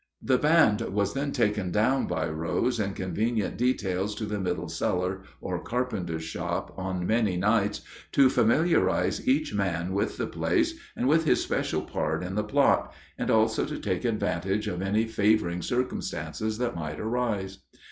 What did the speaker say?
The band was then taken down by Rose in convenient details to the middle cellar or carpenter's shop on many nights, to familiarize each man with the place and with his special part in the plot, and also to take advantage of any favoring circumstances that might arise.